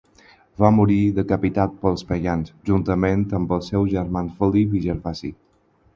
Va morir decapitat pels pagans, juntament amb els seus germans Felip i Gervasi.